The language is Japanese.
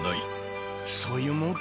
そういうもんか。